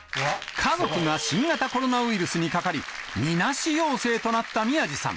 家族が新型コロナウイルスにかかり、みなし陽性となった宮治さん。